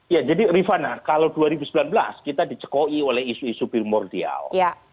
ya jadi rifana kalau dua ribu sembilan belas kita dicekoi oleh isu isu primordial